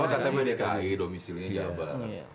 oh ktp di dki domisilnya jabar